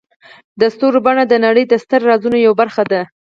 د ستوري بڼه د نړۍ د ستر رازونو یوه برخه ده.